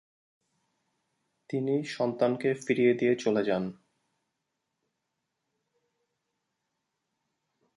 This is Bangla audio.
তিনি সন্তানকে ফিরিয়ে দিয়ে চলে যান।